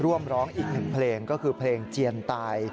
ร่วมร้องอีกหนึ่งเพลงก็คือเพลงเจียนตาย